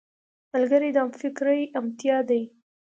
ملګری د همفکرۍ همتيا دی